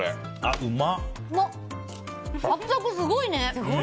サクサクすごいね！